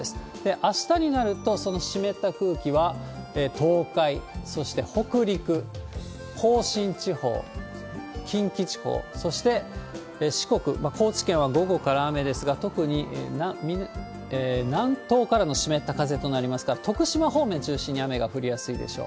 あしたになると、その湿った空気は東海、そして北陸、甲信地方、近畿地方、そして四国、高知県は午後から雨ですが、特に南東からの湿った風となりますから、徳島方面中心に雨が降りやすいでしょう。